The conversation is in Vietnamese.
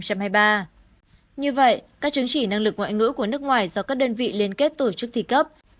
như vậy các chứng chỉ năng lực ngoại ngữ của nước ngoài do các đơn vị liên kết tổ chức thi cấp